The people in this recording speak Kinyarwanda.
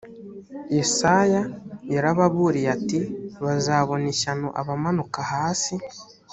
yesaya yarababuriye ati “bazabona ishyano abamanuka hasi”